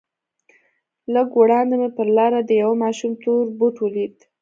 لږ وړاندې مې پر لاره د يوه ماشوم تور بوټ ولېد.